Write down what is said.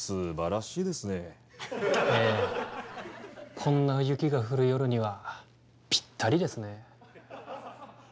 こんな雪が降る夜にはぴったりですね。